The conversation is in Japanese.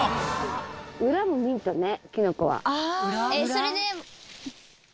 それで。